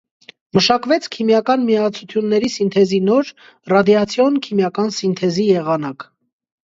Մշակվեց քիմիական միացությունների սինթեզի նոր՝ ռադիացիոն քիմիական սինթեզի եղանակ։